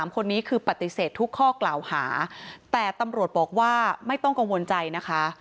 คนนี้คือปฏิเสธทุกข้อกล่าวหาแต่ตำรวจบอกว่าไม่ต้องกังวลใจนะคะ